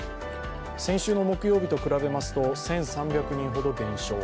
先週の木曜日と比べますと１３００人ほど減少。